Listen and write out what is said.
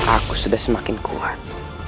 aku sudah semakin kuat